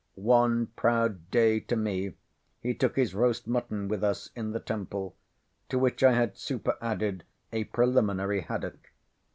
One proud day to me he took his roast mutton with us in the Temple, to which I had superadded a preliminary haddock.